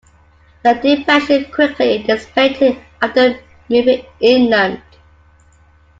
The depression quickly dissipated after moving inland.